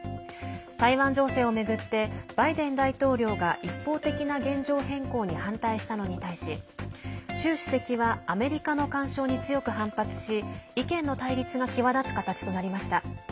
台湾情勢を巡ってバイデン大統領が一方的な現状変更に反対したのに対し習主席はアメリカの干渉に強く反発し意見の対立が際立つ形となりました。